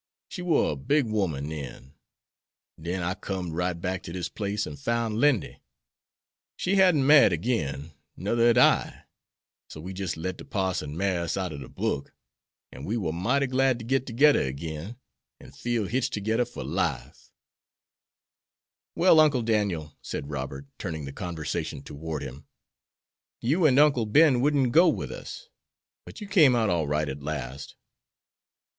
She war a big woman den. Den I com'd right back ter dis place an' foun' Lindy. She hedn't married agin, nuther hed I; so we jis' let de parson marry us out er de book; an' we war mighty glad ter git togedder agin, an' feel hitched togedder fer life." "Well, Uncle Daniel," said Robert, turning the conversation toward him, "you and Uncle Ben wouldn't go with us, but you came out all right at last."